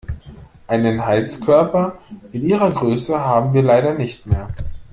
Einen Heizkörper in Ihrer Größe haben wir leider nicht mehr.